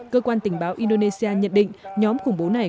cơ quan tình báo indonesia nhận định nhóm khủng bố này